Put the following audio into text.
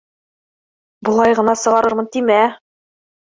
Былай ғына сығарырмын тимә!